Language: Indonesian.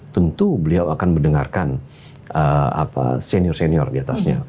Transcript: tentu beliau akan mendengarkan senior senior diatasnya